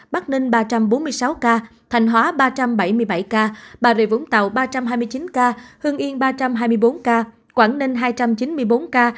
bắc ninh ba trăm bốn mươi sáu ca thanh hóa ba trăm bảy mươi bảy ca bà rịa vũng tàu ba trăm hai mươi chín ca hưng yên ba trăm hai mươi bốn ca quảng ninh hai trăm chín mươi bốn ca